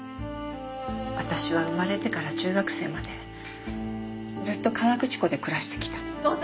私は生まれてから中学生までずっと河口湖で暮らしてきたの。